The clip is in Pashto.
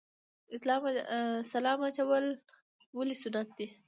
سلام اچول ولې سنت دي؟